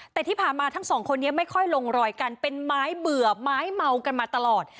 แต่ที่ผ่านมาทั้งสองคนนี้ไม่ค่อยลงรอยกันเป็นไม้เบื่อไม้เมากันมาตลอด